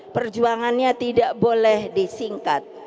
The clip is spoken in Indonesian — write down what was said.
perjuangannya tidak boleh disingkat